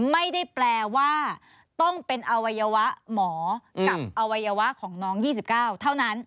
ไม่ได้แปลว่าต้องเป็นอวัยวะหมอกับอวัยวะของน้อง๒๙เท่านั้น